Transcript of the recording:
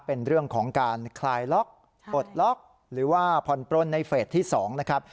เป็นเรื่องของการคลายล็อกปลดล็อกหรือว่าผ่อนปลนในเฟสที่๒นะครับ